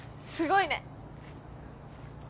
すごいね。